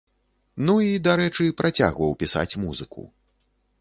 Ну, і, дарэчы, працягваў пісаць музыку.